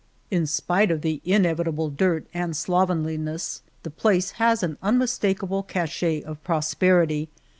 In spite of the inevitable dirt and slovenliness, the place has an unmistakable cachet of prosperity.